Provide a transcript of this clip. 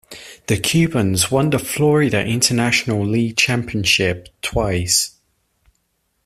The Cubans won the Florida International League championship, twice.